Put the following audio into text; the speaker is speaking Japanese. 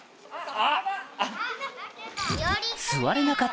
あっ！